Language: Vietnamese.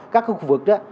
các cái khu vực đó